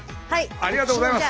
ありがとうございます。